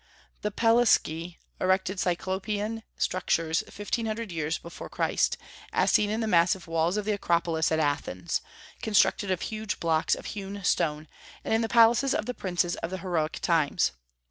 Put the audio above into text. The Pelasgi erected Cyclopean structures fifteen hundred years before Christ, as seen in the massive walls of the Acropolis at Athens, constructed of huge blocks of hewn stone, and in the palaces of the princes of the heroic times.